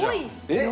えっ？